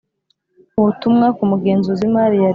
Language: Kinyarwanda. Ubutumwa kumugenzuzi wimari yareta